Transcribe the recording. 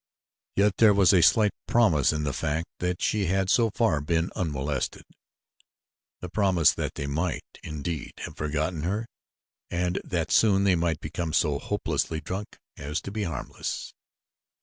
Yet there was a slight promise in the fact that she had so far been unmolested the promise that they might, indeed, have forgotten her and that soon they might become so hopelessly drunk as to be harmless.